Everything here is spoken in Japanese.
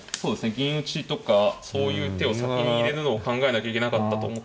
銀打ちとかそういう手を先に入れるのを考えなきゃいけなかったと。